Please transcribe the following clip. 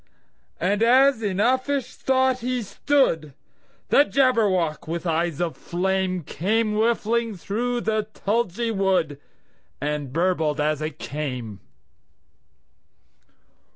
And as in uffish thought he stood, The Jabberwock, with eyes of flame, Came whiffling through the tulgey wood, And burbled as it came!